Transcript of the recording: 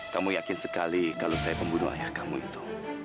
kamu yakin sekali kalau saya pembunuh ayah kamu itu